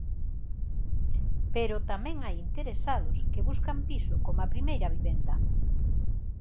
Pero tamén hai interesados que buscan piso coma primeira vivenda.